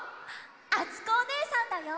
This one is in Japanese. あつこおねえさんだよ！